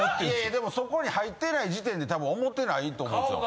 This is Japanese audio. でもそこに入ってない時点で多分思ってないと思うんですよ。